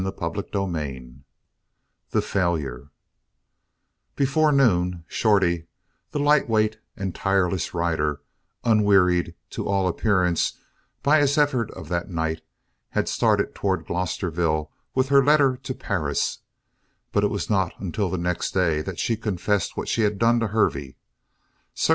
CHAPTER XI THE FAILURE Before noon Shorty, that lightweight and tireless rider, unwearied, to all appearance, by his efforts of that night, had started towards Glosterville with her letter to Perris, but it was not until the next day that she confessed what she had done to Hervey.